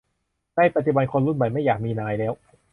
ในปัจจุบันคนรุ่นใหม่ไม่อยากมีนายแล้ว